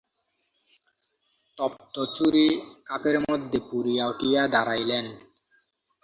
তপ্ত ছুরি খাপের মধ্যে পুরিয়া উঠিয়া দাঁড়াইলেন।